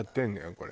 これ。